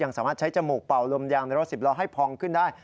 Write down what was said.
สามารถใช้จมูกเป่าลมยางในรถสิบล้อให้พองขึ้นได้